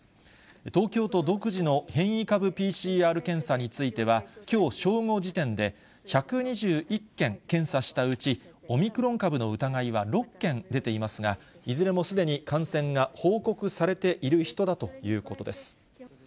東京都独自の変異株ＰＣＲ検査については、きょう正午時点で、１２１件検査したうち、オミクロン株の疑いは６件出ていますが、いずれもすでに感染が報告されている人だということです。